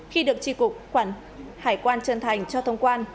khi được tri cục quản hải quan chân